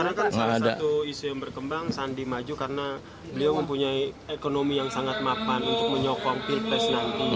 karena kan salah satu isu yang berkembang sandi maju karena dia mempunyai ekonomi yang sangat mapan untuk menyokong pilpres nanti